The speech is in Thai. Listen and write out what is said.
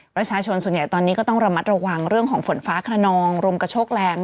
ประชาชนส่วนใหญ่ตอนนี้ก็ต้องระมัดระวังเรื่องของฝนฟ้าขนองลมกระโชกแรง